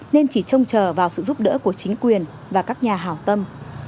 nên chỉ trông chờ vào sự giúp đỡ của chính quyền và các nhà hào tâm